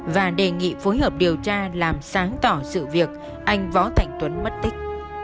và đề nghị phối hợp điều tra làm sáng tỏ sự việc anh võ thành tuấn mất tích